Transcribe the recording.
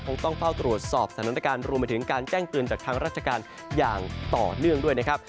ต้องเฝ้าตรวจสอบสถานการณ์รวมไปถึงการแจ้งเตือนจากทางราชการอย่างต่อเนื่องด้วยนะครับ